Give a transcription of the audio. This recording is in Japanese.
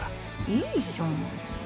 いいじゃん。